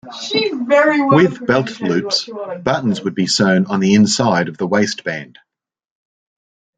With belt loops, buttons would be sewn on the inside of the waistband.